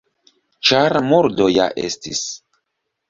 Ĉar murdo ja estis.